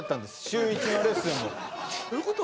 週１のレッスンもどういうこと？